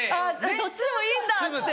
どっちでもいいんだって。